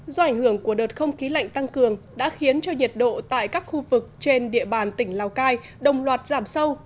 do ảnh hưởng của đợt không khí lạnh tăng cường đã khiến cho nhiệt độ tại các khu vực trên địa bàn tỉnh lào cai đồng loạt giảm sâu